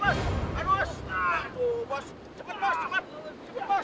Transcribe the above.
ayo cepatlah dayung bantu aku